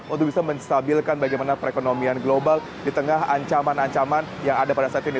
untuk bisa menstabilkan bagaimana perekonomian global di tengah ancaman ancaman yang ada pada saat ini